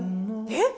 えっ？